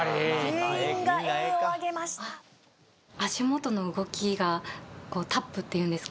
まあそうか足元の動きがタップっていうんですか？